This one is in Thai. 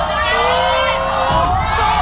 ตุ๊ก